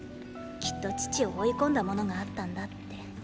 きっと父を追い込んだものがあったんだって。